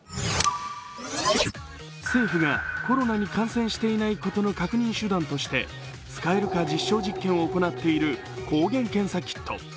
政府がコロナに感染していないことの確認手段として使えるか実証実験を行っている抗原検査キット。